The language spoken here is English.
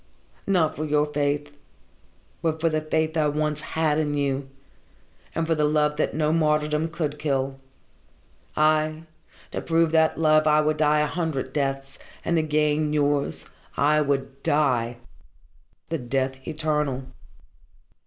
"Nor for your Faith but for the faith I once had in you, and for the love that no martyrdom could kill. Ay to prove that love I would die a hundred deaths and to gain yours I would die the death eternal."